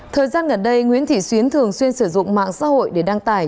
thời gian gần đây nguyễn thị xuyến thường xuyên sử dụng mạng xã hội để đăng tải